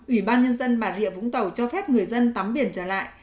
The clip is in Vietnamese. ủy ban nhân dân bà rịa vũng tàu cho phép người dân tắm biển trở lại